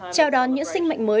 chào đón những sinh mệnh mới